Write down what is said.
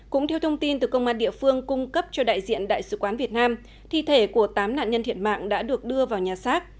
cũng theo thông tin từ công an địa phương cung cấp cho đại diện đại sứ quán việt nam thi thể của tám nạn nhân thiệt mạng đã được đưa vào nhà xác